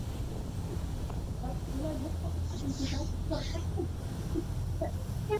唐代建制基本不变。